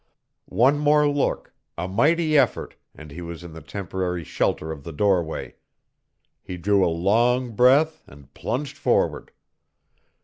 One more look, a mighty effort, and he was in the temporary shelter of the doorway. He drew a long breath and plunged forward.